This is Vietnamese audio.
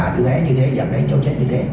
điều hẻ như thế dặn đến châu trách như thế